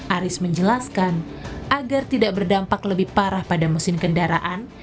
aris menjelaskan agar tidak berdampak lebih parah pada mesin kendaraan